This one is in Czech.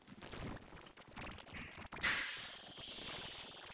Tíha odpovědnosti a politického tlaku se však podepsala na jeho zdravotním stravu.